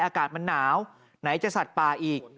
อากาศมันหนาวไหนจะสัตว์ป่าอีก